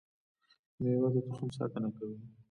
مېوه د تخم ساتنه کوي